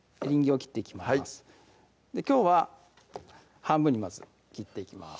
はいきょうは半分にまず切っていきます